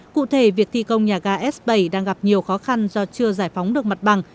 cụ thể việc thi công nhà ga s bảy đang gặp nhiều khó khăn do chưa giải phóng được mặt bằng